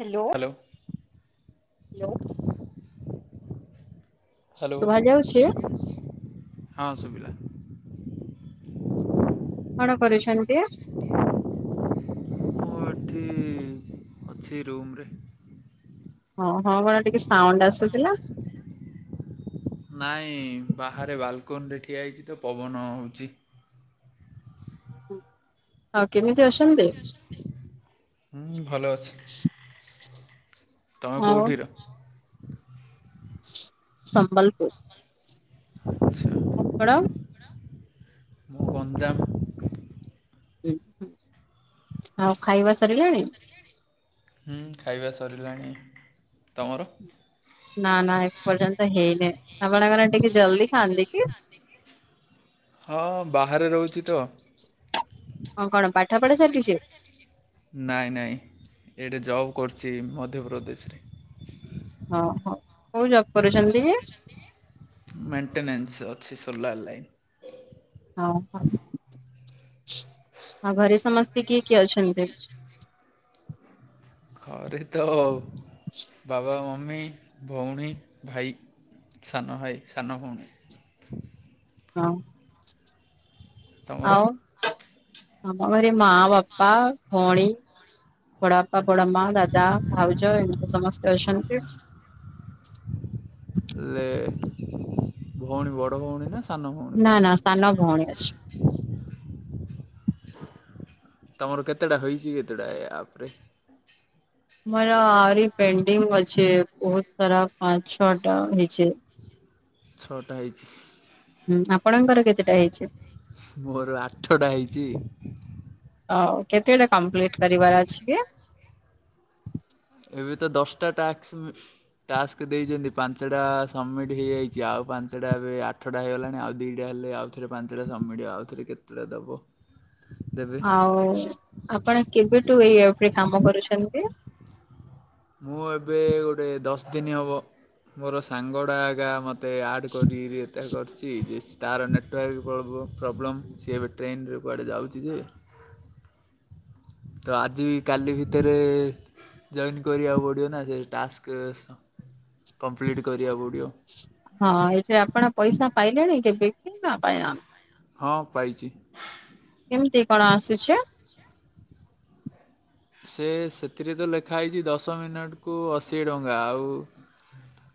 Hello hello. Hello. ଶୁଭା ଯାଉଛି ହଁ ଶୁଭିଲା। କଣ କରୁଛନ୍ତି? ମୁଁ ଏଠି ଅଛି ରୁମରେ। ଆପଣଙ୍କର ଟିକେ ସାଉଣ୍ଡ ଆସୁଥିଲା। ନାଇଁ ବାହାରେ ବାଲକୁନିରେ ଠିଆ ହେଇଚି ତ ପବନ ହଉଚି। ହଁ କେମିତି ଅଛନ୍ତି? ହୁଁ ଭଲ ଅଛି। ତମେ ଆଉ କୋଉଠି ର ସମ୍ବଲପୁର। ଆଚ୍ଛା ଅପଣ? ମୁଁ ଗଞ୍ଜାମ। ହଁ ଖାଇବା ସରିଲାଣି? ହୁଁ ଖାଇବା ସରିଲାଣି ତମର? ନା ନା ଏ ପର୍ଯ୍ୟନ୍ତ ହେଇନିଁ ଆପଣଙ୍କରେ ଟିକେ ଜଲଦି ଖାଆନ୍ତି କି? ହଁ ବାହାରେ ରହୁଚି ତ। ହଁ କଣ ପାଠ ପଢା ଚାଲିଚି? ନାଇଁ ନାଇଁ ଏଇଠେ ଜବ୍ କରୁଛି ମଧ୍ୟପ୍ରଦେଶରେ। ହଁ ହଉ କୋଉ ଜବ୍ କରୁଛନ୍ତି? ମେଣ୍ଟେନେନ୍ସ ଅଛି ସୋଲାର ଲାଇନ୍। ହଁ ହଁ, ହଁ ଘରେ ସମସ୍ତେ କିଏ କିଏ ଅଛନ୍ତି? ଘରେ ତ ବାବା ମା- ମମୀ ଭଉଣୀ ଭାଇ ସାନ ଭାଇ ସାନ ଭଉଣୀ। ହଁ ତମର? ଆଉ ଆମ ଘରେ ମା ବାପା ଭଉଣୀ। ବଡବାପା ବଡ ମା ଦାଦା ଭାଉଜ ଏମିତି ସମସ୍ତେ ଅଛନ୍ତି। ହେଲେ ଭଉଣୀ ବଡ ଭଉଣୀ ନା? ସାନ ଭଉଣୀ ନା ତମର? ନା ସାନ ଭଉଣୀ ଅଛି। ତମର କେତେଟା ହେଇଛି କେତେଟା ଏ ଆପରେ। ମୋର ଆରି ପେଣ୍ଡିଙ୍ଗ ଅଛେ ବହୁତ ସାରା ପାଞ୍ଚ ଛଅଟା ହେଇଛେ ଛଅଟା ହେଇଚି। ହୁଁ ଆପଣଙ୍କର କେତେଟା ହେଇଚି? ମୋର ଆଠ ଟା ହେଇଚି ଇ ହଉ କେତେଟା କମ୍ପ୍ଲିଟ କରିବାର ଅଛି କି? ଏବେ ତ ଦଶଟା ଟା ଟାସ୍କ ଟାସ୍କ ଦେଇଛନ୍ତି ପାଞ୍ଚଟା ସବମିଟ୍ ହେଇଯାଇଚି ଆଉ ପାଞ୍ଚଟା ଏବେ ଆଠଟା ହେଇଗଲାଣି ଆଉ ଦୁଇଟା ହେଲେ ଆଉଥରେ ପାଞ୍ଚଟା ସବମିଟ ଆଉଥରେ କେତେଟା ଦବ। ଆଉ ଆପଣ କେବେଠୁ ଏଇ ଆପରେ କାମ କରୁଛନ୍ତି? ମୁଁ ଏବେ ଗୋଟେ ଦଶ ଦିନ ହବ ମୋର ସାଙ୍ଗଟା ଏକା ମୋତ ତେ ଆଡ଼୍ କରିକିରି ଏଟା କରିଚି ଯେସ୍ ତାର ନେଟୱାର୍କ ପୋଳବ ପ୍ରୋବ୍ଲେମ୍ ସିଏ ଏବେ ଟ୍ରେନ୍ ରେ କୁଆଡ଼େ ଯାଉଚି ଯେ ତ ଆଜି ବି କାଲି ଭିତରେ ଜଏନ୍ କରିବାକୁ ପଡିବ ନା ସେ ଟାସ୍କ କମ୍ପ୍ଲିଟ୍ କରିବାକୁ ପଡ଼ିବ। ହଁ ଏଥିରେ ଆପଣ ପଇସା ପାଇଲେଣି କେବେ କି ନା ପାଇ ନାହା ହଁ ପାଇଚି। କେମତି କଣ ଆସୁଛି? ସେ ସେଥିରେ ତ ଲେଖା ହେଇଚି ଦଶ ମିନିଟ୍ କୁୁ ଅଶି ଟଙ୍କା। ଆଉ କ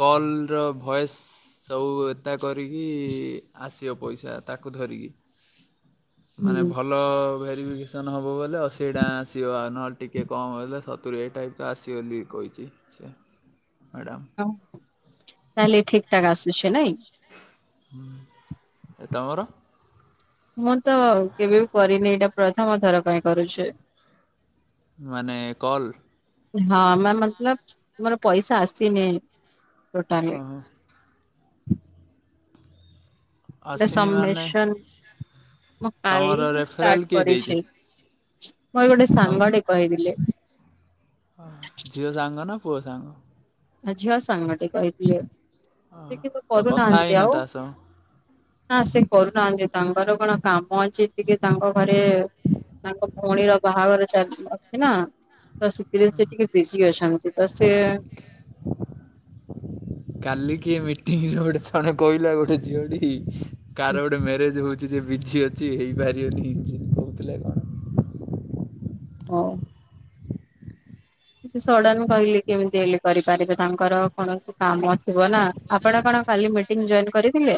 କଲ୍ ର ଭଏସ୍ ସବୁ ଏତା କରିକି ଆସିବ ପଇସା ତାକୁ ଧରିକି। ମାନେ ହୁଁ ଭଲ ଭେରିଫିକେସନ ହବ ବଲେ ଅଶି ଟଙ୍କା ଆସିବ। ନହେଲେ ଟିକେ କମ୍ ହେଲେ ସତୁୁରି। ଏ ଟାଇପ୍ ର ଆସିବ ବୋଲି କହିଚି ସେ ମ୍ୟାଡ଼ାମ୍। ତାହଲେ ଠିକଠାକ୍ ଆସୁଛି ନାଇ? ହୁଁ, ଏ ତୋମର? ମୁଁ ତ କେବେ ବି କରିନି, ଏଇଟା ପ୍ରଥମ ଥର ପାଇଁ କରୁଛି। ମାନେ କଲ୍? ହଁ ମା ମତଲବ ମୋର ପଇସା ଆସିନି ଟୋଟାଲି। ଓହୋ ଏ ଆସିନି ମାନେ ସମ୍ମିଶନ୍। ମୁଁ କାଲି ତମର ହିଁ ଷ୍ଟାର୍ଟ ରେଫରାଲ୍ କିଏ ଦେଇଛି କରିଛି ମୋର ଗୋଟେ ତମ ସାଙ୍ଗଟେ କହିିଥିଲେ। ଝିଅ ସାଙ୍ଗ ନା ପୁଅ ସାଙ୍ଗ? ଆ ଝିଅ ସାଙ୍ଗଟେ କହିଥିଲେ। ସେ ଓହୋ କିନ୍ତୁ ତ କଥା କରୁନାହାନ୍ତି ହେଇନ ଆଉ ତା ସହ ନା ସେ କରୁନାହାନ୍ତି। ତାଙ୍କର କଣ କାମ ଅଛି ଟିକେ ତାଙ୍କ ଘରେ ତାଙ୍କ ଭଉଣୀର ବାହାଘର ଚାଲ ଅଛି ନା ତ ସେଥିରେ ସେ ଟିକେ ବିି ଜି ଅଛନ୍ତି ତ ସିଏ କାଲି କିଏ ମିଟିଂରେ ଗୋଟେ ଜଣେ କହିଲା, ଗୋଟେ ଝିଅଟି କାହାର ଗୋଟେ ମ୍ୟାରେଜ ହଉ ଯେ ବି ଜି ଅଛି ହେଇପାରିବନି ଏନ୍ତି କହୁଥିଲେ କଣ? ହଁ। ସଡନ କହିଲି କେମିତି ହେଲେ କରି ପାରିବେ, ତାଙ୍କର କୌଣସି କାମ ଥିବ ନା ଆପଣ କଣ? ଆପଣ କାଲି ମିଟିଂ ଜଏନ କରିଥିଲେ?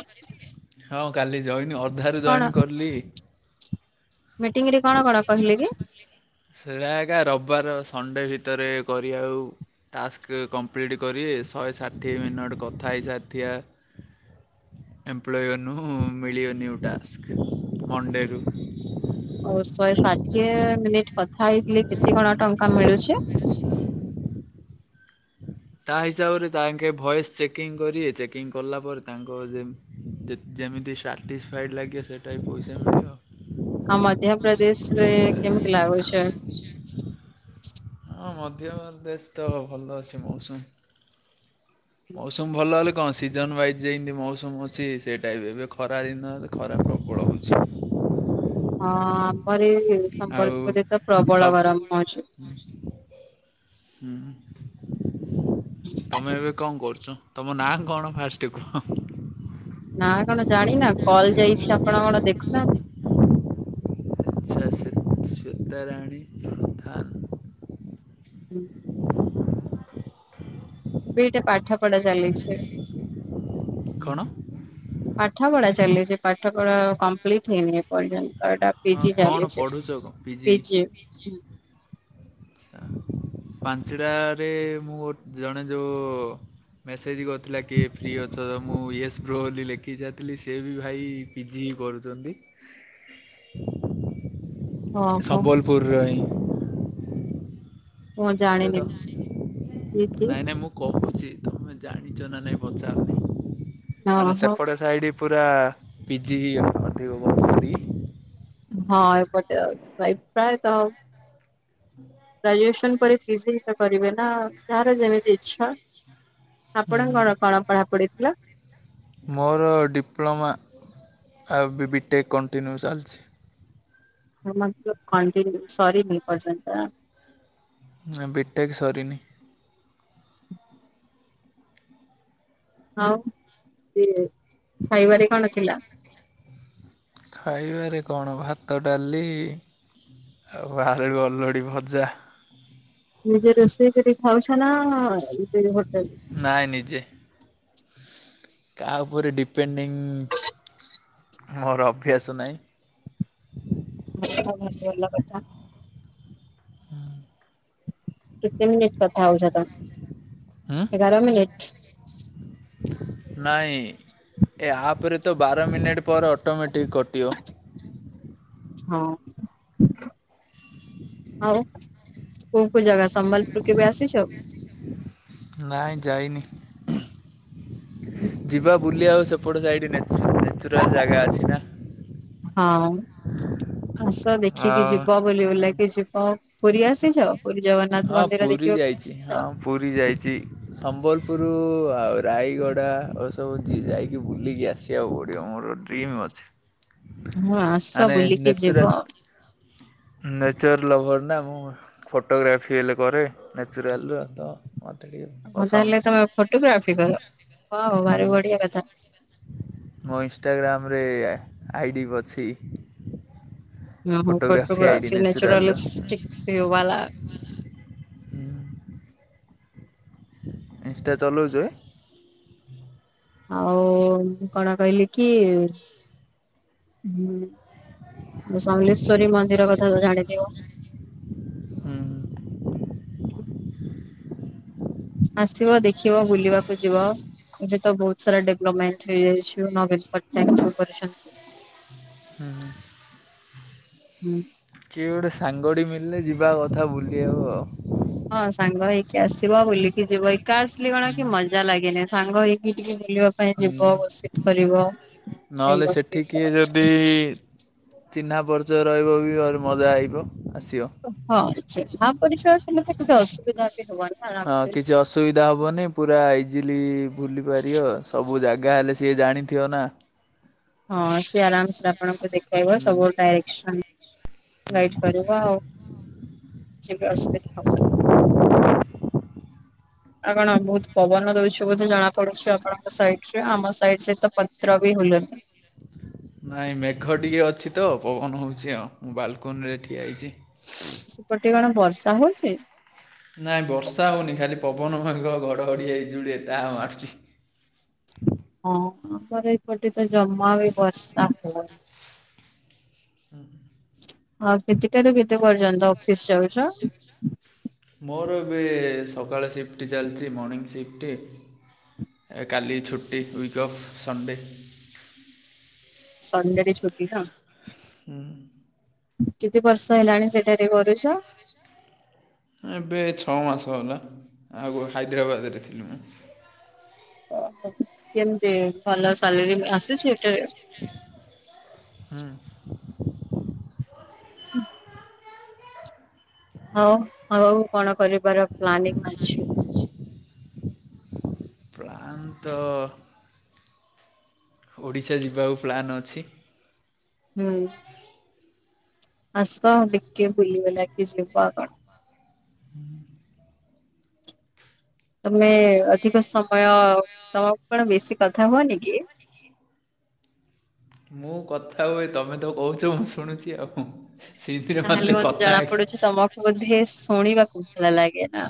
ହଁ କାଲି ଜଏନ୍ ଅଧାରୁ କଣ ଜଏନ୍ କରଲି। ମିଟିଂ ରେ କଣ କଣ କହିଲେ କି? ସେଇଟା ଏକା ରବିବାର ସଣ୍ଡେ ଭିତରେ କରି ଆଉ ଟାସ୍କ କମ୍ପ୍ଲିଟ୍ କରିବେ। ଶହେ ଷାଠିଏ ମିନିଟ୍ କଥା ହେଇ ହେଇସାରିଥିବା ଏମ୍ପଲୋଇ ମାନଙ୍କୁ ମିଳିବନି ଆଉ ଟାସ୍କ ମନ୍ ଡେ ରୁ। ଆଉ ଶହେ ଷାଠିଏ [unintelligible] କେତେ କଣ ଟଙ୍କା ମିଳୁଛି? ତା ହିସାବରେ ତାଙ୍କେ ଭଏସ ଚେକିଂ କରିବେ ଚେକିଂ କରିଲା ପରେ ତାଙ୍କ ଯେ ଯେ ଯେମିତି ସାଟିସ୍ ଫାଏ ଲାଗେ ସେଇଟା ବି ପଇସା ମିଳିବ। ଆ ମଧ୍ୟପ୍ରଦେଶରେ କେମିତି ଲାଗୁଛି? ହଁ ମଧ୍ୟପ୍ରଦେଶ ତ ଭଲ ଅଛି ମୌସୁମୀ ହ ମୌସୁମ ଭଲ ହେଲେ କଣ ସିଜନ ୱାଇଜ୍, ଯେମିତି ମୌସୁମ ଅଛି ସେ ଟାଇପ ଏବେ ଖରା ଦିନଲେ ଖରା ପ୍ର ବଳ ହଉଚି। ହଁ ଆମର ଏ ଆଉ ସମ୍ବଲପୁରରେ ତ ପ୍ରବଳ ଗରମ ହଉଛି। ହୁଁ ତମେ ଏବେ କଣ କରୁଛ? ତମ ନାଁ କଣ ଫାଷ୍ଟ କୁହ? ନା କଣ ଜାଣିନା? କଲ ଯାଇଛି ଆପଣ କଣ ଦେଖୁନାହାନ୍ତି ଶ୍ୱେତା ରାଣୀ ପ୍ରଧାନ। ହୁଁ। ଏବେ ଏଇଠି ପାଠପଢ଼ା ଚାଲିଛି। କଣ? ପାଠ ପଢା ଚାଲିଛି ପାଠ ପଢା କମ୍ପ୍ଲିଟ୍ ହେଇନି ଏ ପର୍ଯ୍ୟନ୍ତ ଏଟା ପି ହଁ ଜି କଣ ଚାଲିଛି ପଢ଼ୁଛ କଣ ପି ପିଜି? ଜି ପାଞ୍ଚଟାରେ ମୁଁ ଜଣେ ଯୋଉ ମେସେଜ କରିଥିଲା କିଏ ଫ୍ରି ଅଛ, ମୁଁ ୟସ୍ ବ୍ରୋ ବୋଲି ଲେଖିକି ସାରିଥିଲି ସେ ବି ଭାଇ ପି ଜି କରୁଛନ୍ତି। ଓହୋ। ସମ୍ବଲପୁରର ହିଁ। ମୁଁ ଜାଣିନି ପିଜି ନାଇଁ ନାଇଁ ମୁଁ କହୁ ଛି ତମେ ଜାଣିଛ ନା ନାଇଁ ପଚାରିଲି? ମାନେ ଓହୋ ସେପଟେ ସାଇଡ ପୁରା ପି ଜି ଅଧିକ [inaudible] କରିଲି। ହଁ ଏପଟେ ଆଉ ପ୍ରାୟତ ଗ୍ରାଜୁଏସନ ପରେ ପି ଜି ତ କରିବେ ନା ଯାହାର ଯେମିତି ଇଛା ହୁଁ ହୁଁ। ଆପଣଙ୍କର କଣ ପଢାପଢିଥିଲା? ମୋର ଡିପ୍ଲୋମା ଆଉ ବି ବି ଟେକ୍ କଣ୍ଟିନ୍ୟୁ ଚାଲିଛି। କଣ କେମିତି ସରିନି ଏପର୍ଯ୍ୟନ୍ତ। ନାଇଁ ବି ଟେକ ସରିନି। ଆଉ ସଏ ଖାଇବାରେ କଣ ଥିଲା? ଖାଇବାରେ କଣ ଭାତ ଡାଲି ଆଉ ଆଳୁ ଅଲଡ଼ି ଭଜା ନିଜେ ରୋଷେଇ କରି ଖାଉଛ ନା କିଣି ହୋଟେଲ ନାଇଁ ନିଜେ କାହା ଉପରେ ଡିପେଣ୍ଡିଙ୍ଗ ମୋର ଅଭ୍ୟାସ ନାହିଁ। [unintelligible] ଭଲ କଥା। ହୁଁ। କେତେ ମିନିଟ କଥା ହୋଉଚ ହୁଁ? ତମେ ଏଗାର ମିନିନିଟ ନାଇଁ ଏ ଆପରେ ତ ବାର ମିନିଟ୍ ପରେ ଅଟୋମେଟିକ୍ କଟିବ ହଁ। ଆଉ କୋଉ କୋଉ ଜାଗା ସମ୍ବଲପୁର କେବେ ଆସିଛ? ନାଇଁ ଯାଇନି ଯିବା ବୁଲି ଆଉ ସେ ସେପଟ ସାଇଟ ନେଚୁରାଲ ଜାଗା ଅଛି ନା। ହଁ ଆସ ଦେଖିକି ଯିବ ବୋଲି ଆଉ ବୁଲାକି ଯିବ ପୁରୀ ଆସିଛ? ପୁରୀ ଜଗନ୍ନାଥ ହଁ ମନ୍ଦିର ପୁରୀ ଦେଖିବାକୁ ଯାଇଚି ଆସିଛ ହଁ ପୁରୀ ଯାଇଚି ସମ୍ବଲପୁର ପୁରୁ ଆଉ ରାୟଗଡ଼ା ଏ ସବୁ ଯାଇକି ବୁଲିକି ଆସିବାକୁ ପଡ଼ିବ ମୋର ଡ୍ରିମ୍ ଅ ଅଛି। ହଁ ଆସ ମାନେ ବୁଲିକି ଯିବ ଆଉ। ନେଚର୍ ଲଭର୍ ନା ମୁଁ ଫଟୋଗ୍ରାଫି ହେଲେ କରେ ନ୍ୟାଚୁରାଲ୍ ର ତ ମୋତେ ଟିକେ ହଁ ପସନ୍ଦ ତାହେଲେ ତମେ ଫୋଟୋଗ୍ରାଫି କର ୱାଓ ଭାରି ବଢିଆ କଥା। ମୁଁ ଇନଷ୍ଟାଗ୍ରାମରେ ଆଇଡ଼ି ବି ଅଛି। ହଁ ହଉ ଫଟୋଗ୍ରାଫି ଆଇଡି ଫଟୋଗ୍ରାଫି ନେଚୁରାଲର ନ୍ୟାଚୁରାଲିଷ୍ଟିକ ଭିଉ ବାଲା। ହୁଁ। ଇନଷ୍ଟା ଚଲୋଉଚ କି? ଆଉ କଣ କହିଲି କି ଆଉ ସମ୍ୱଲେଶ୍ଵରୀ ମନ୍ଦିର କଥା ତ ଜାଣିଥିବ ହୁଁ ହୁଁ। ଆସିବ ଦେଖିବ ବୁଲିବାକୁ ଯିବ। ଏବେ ତ ବହୁତ ସାରା ଡିଲପମେଣ୍ଟ ହେଇଯାଇଛି ନବୀନ ପଟ୍ଟନାୟକ କରିଛନ୍ତି। ଉହୁଁ। ହୁଁ। କିଏ ଗୋଟେ ସାଙ୍ଗଟି ମିଲିଲେ ଯିବା କଥା ବୁଲିବାକୁ ଆଉ ହଁ ସାଙ୍ଗ ହେଇକି ଆସିବ ବୁଲିକି ଯିବ ଏକା ଆସିଲେ କଣ କି ମଜା ଲାଗେନି ସାଙ୍ଗ ହେଇକି ଟିକେ ବୁ ବୁଲିବା ପାଇଁ ଯିବ ହୁଁ ଗସିିପ କରିବ ନହେଲେ ସେଠି କିଏ ଯଦି [unintelligible] ଚିହ୍ନା ପରିଚୟ ରହିବ ବି ଆହୁରି ମଜା ଆଇବ। ଆସିବ। ହଁ ଚିହ୍ନା ପରିଚୟ ଥିଲେ ତ କିଛି ଅସୁବିଧା ନା ହଁ କିଛି ଅସୁବିଧା ହବନି ପୁରା ଇଜିଲି ଭୁଲି ପାରିବ ସବୁ ସବୁ ଜାଗା ହେଲେ ସିଏ ଜାଣିଥିବ ନା। ହଁ ସିଏ ଆରାମସରେ ଆପଣଙ୍କୁ ଦେଖେଇବ ହୁଁ ସବୁ ଡାଇରେକ୍ସନ୍ ଗାଇଡ୍ କରିବ ଆଉ କିଛିବି ଅସୁବିଧା ହବନି। ଆଉ କଣ ବହୁତ ପବନ ଦଉଛି ବୋଧେ ଜଣାପଡୁଛି ଆପଣଙ୍କ ସାଇଟରେ ଆମ ସାଇଟରେତ ପତ୍ର ବି ଭୁଲୁନି ନାଇଁ ମେଘ ଟିକେ ଅଛି ତ ପବନ ହଉଛି ଆଉ। ମୁଁ ବାଲକୁନିରେ ଠିଆ ହେଇଚି। ସାଉଣ୍ଡ ହୋଉଚି ନାଇଁ ବର୍ଷା ହଉନି ଖାଲି ପବନ ମେଘ ଘଡଘଡି ବିଜୁଳି ଏତା ମାରୁୁଛି ହଁ ଆମର ଏପଟେତ ଜମା ବି ବର୍ଷା ହୋଉନି। ହୁଁ। ଆଉ କେତେଟାରୁ କେତେ ପର୍ଯ୍ୟନ୍ତ ଅଫିସ ଯାଉଚ? ମୋର ଏବେ ସକାଳ ସିଫ୍ଟଟି ଚାଲିଛି ମର୍ଣ୍ଣିଂ ସିଫ୍ଟଟି। କାଲି ଛୁଟି ୱିକ୍ଅଫ୍ ସଣ୍ଡେ। ସଣ୍ଡେରେ ଛୁଟି ନା। ହୁଁ। କେତେ ବର୍ଷ ହେଲାଣି ସେଟାରେ କରୁଚ? ଏବେ ଛଅ ମାସ ହେଲା ଆଗରୁ ହାଇଦ୍ରାବାଦରେ ଥିଲି ମୁଁ। ଓହୋ କେମିତି ଭଲ ସାଲେରୀ ବି ଆସେ। ହୁଁ। ହୁଁ। ଆଉ ଆଗକୁ କଣ କରିବାର ପ୍ଲାନିଂ ଅଛି? ଆଉଁ ତ ଓଡ଼ିଶା ଯିବାକୁ ପ୍ଲାନ୍ ଅଛି। ହୁଁ। ଆସ ଦେଖି ବୁଲିଗଲା କି ଯିବା ଆଉ କଣ? ହୁଁ। ତମେ ଅଧିକ ସମୟ ତମକୁ କଣ ବେଶୀ କଥା ହୁଅନି କି? ମୁଁ କଥା ହୁଏ ତମେ ତ କହୁଛ ମୁଁ ଶୁଣୁଛି ଆଉ କଣ। ତାହେଲେ ମୋତେ ଜଣା ପଡୁଛି ତମକୁ ବୋଧେ ଶୁଣିବାକୁ ଭଲ ଲାଗେ ନା?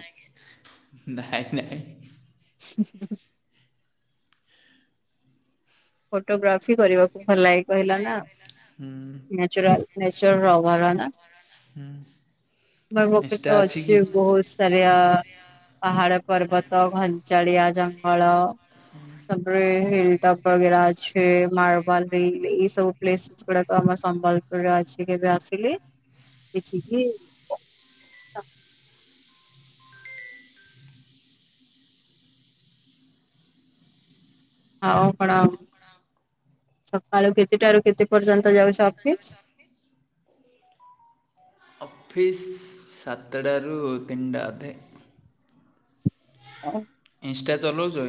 ନାଇଁ ନାଇଁ। ହ ହ ଫଟୋଗ୍ରାଫି କରିବାକୁ ଭଲ ଲାଗେ କହିଲା ହୁଁ ନାଚୁରାଲ। ନେଚୁର ରଭାର ନା? ହୁଁ। ମ ପୋକ ଇନଷ୍ଟା ତ କି ଅଛି ବହୁତ ସାରିଆ ପାହାଡ ପର୍ବତ ଘ ଗାଡିଆ ଜଙ୍ଗଲ। ତାପରେ ହିଲ୍ ଟପ୍ ବଗେରା ଅଛି ମାର୍ବାଲ ରିଲ୍ ଏଇ ସବୁ ପ୍ଲେସେସ୍ ଗୁଡାକ। ସମ୍ବଲପୁରରେ ଅଛି କେବେ ଆସିଲେ ଦେଖିକି ଜିବା। ତ। ଆଉ ପଣାମ। ସକାଳୁ କେତେଟାରୁ କେତେ ପର୍ଯ୍ୟନ୍ତ ଯାଉଛ ଅଫିସି। ଅଫିସ୍ ସାତଟାରୁ ତିନିଟା ଅଧେ। ଓ। ଇନଷ୍ଟା ଚଲଉଛୁ।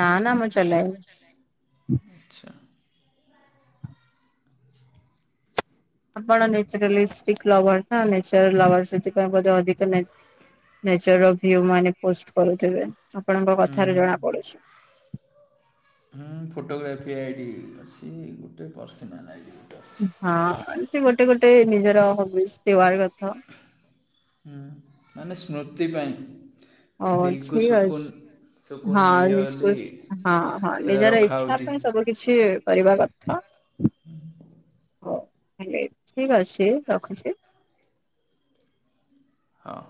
ନା ନା ମୁଁ ଚଲାଇନି। ଆଚ୍ଛା ଆପଣ ନ୍ୟଚୁରାଲିଷ୍ଟିକ ଲଭର୍ ନା ନନ୍ୟଚୁରଲ ଲଭର୍ ସେଥିପାଇଁ ବୋଧେ ଅଧିକ ନେଚୁରା ଭିଓ ମାନେ ପୋଷ୍ଟ କରୁିବେ ଆପଣଙ୍କ ହୁଁ କଥାରୁ ଜଣା ପଡୁଛି। ହଁ ଫଟୋଗ୍ରାଫି ଆଇଡ଼ି ଅଛି ଗୋଟେ ପର୍ସନାଲ ଆଇଡି। ହଁ ଗଲ। ଗୋଟେ ଗୋଟେ ନିଜର ହବିସି ର କଥ। ହୁଁ ମାନେ ସ୍ମୃତି ପାଇଁ ହଁ ଦିଲକୁ ଠିକ ଅଛି। ସୁକୁନ ସୁକୁନ ହଁ ମିଳିବ ବୋଲି ନିସୁ ହଁ ହଁ ସେଇଟା ନିଜର ଇଚ୍ଛା ରଖାହେଉଛି ପାଇଁ ସବୁ କିଛି କରିବା କଥା। ହୁଁ। ହ ହେଲେ ଠିକ ଅଛି ରଖୁଛି। ହଁ।